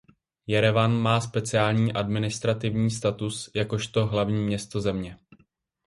Jerevan má speciální administrativní status jakožto hlavní město země.